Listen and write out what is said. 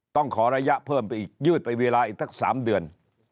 ต้องขอระยะเพิ่มไปอีกยืดไปเวลาอีกสัก๓เดือน